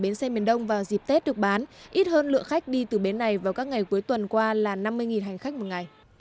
bến xe miền đông vào dịp tết được bán ít hơn lượng khách đi từ bến này vào các ngày cuối tuần qua là năm mươi hành khách một ngày